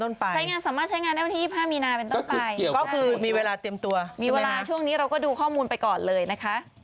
ล้างจากไอจีร้างมาครึ่งปี